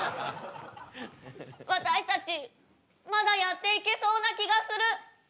私たちまだやっていけそうな気がする。